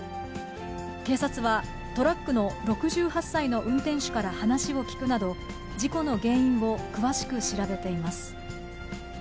警察は、トラックの６８歳の運転手から話を聞くなど、事故の原因を詳しく調べています。